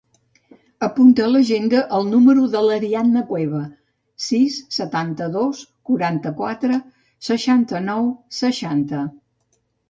Apunta a l'agenda el número de l'Arianna Cueva: sis, setanta-dos, quaranta-quatre, seixanta-nou, seixanta.